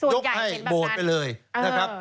ยกให้โบสถ์ไปเลยนะครับ